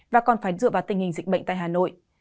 và còn phải dựa vào tình hình dịch bệnh tại hà nội